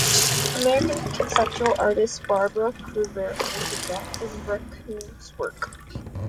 American conceptual artist Barbara Kruger owes a debt to Rodchenko's work.